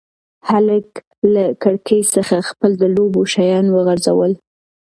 هلک له کړکۍ څخه خپل د لوبو شیان وغورځول.